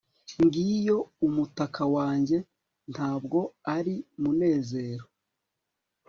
ngiyo umutaka wanjye, ntabwo ari munezero